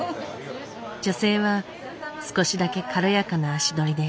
女性は少しだけ軽やかな足取りで帰っていった。